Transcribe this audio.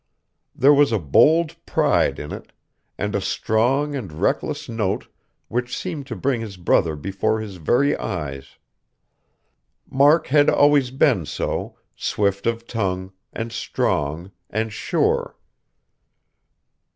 There was a bold pride in it, and a strong and reckless note which seemed to bring his brother before his very eyes. Mark had always been so, swift of tongue, and strong, and sure.